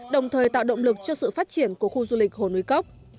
đồng thời tạo động lực cho sự phát triển của khu du lịch hồ núi cốc